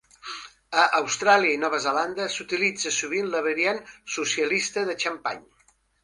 A Austràlia i Nova Zelanda, s'utilitza sovint la variant "socialista de xampany".